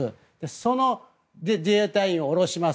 その自衛隊員を降ろします。